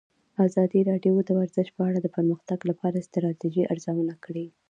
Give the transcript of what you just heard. ازادي راډیو د ورزش په اړه د پرمختګ لپاره د ستراتیژۍ ارزونه کړې.